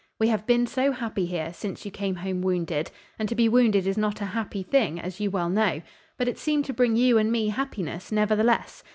We have been so happy here, since you came home wounded, and to be wounded is not a happy thing, as you well know; but it seemed to bring you and me happiness, nevertheless.